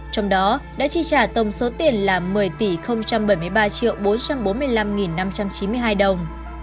trong đó đã chi trả tổng số tiền là một mươi tỷ bảy mươi ba bốn trăm bốn mươi năm năm trăm chín mươi hai đồng